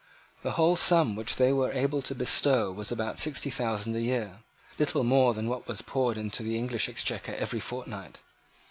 The whole Sum which they were able to bestow was about sixty thousand a year, little more than what was poured into the English Exchequer every fortnight.